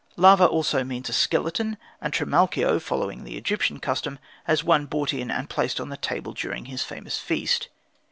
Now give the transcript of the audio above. Larva also means a skeleton, and Trimalchio, following the Egyptian custom, has one brought in and placed on the table during his famous feast.